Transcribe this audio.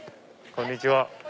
こんにちは！